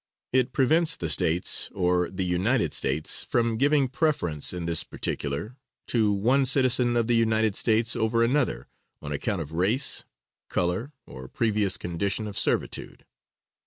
It prevents the States or the United States from giving preference in this particular to one citizen of the United States over another, on account of race, color or previous condition of servitude.